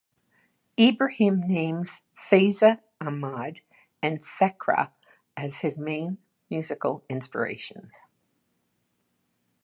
Ibrahim names Faiza Ahmad and Thekra as his main musical inspirations.